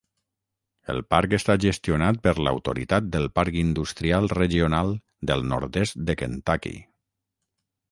El parc està gestionat per l'autoritat del parc industrial regional del nord-est de Kentucky.